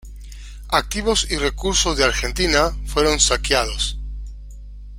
Activos y recursos de Argentina fueron saqueados.